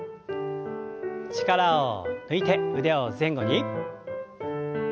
力を抜いて腕を前後に。